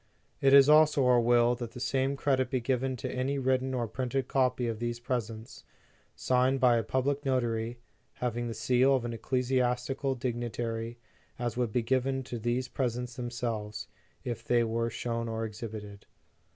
" It is also our will that the same credit be given to any written or printed copy of these presents, signed by a public notary, having the seal of an ecclesiastical dignitary, as would be given to these presents themselves, if they were shown or exhibited.